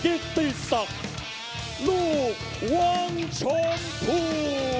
กิติศักดิ์ลูกวังชมพู